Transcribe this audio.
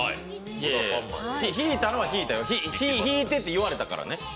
引いたのは引いたよ、引いてって言われたからね。